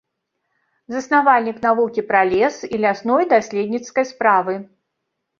Заснавальнік навукі пра лес і лясной даследніцкай справы.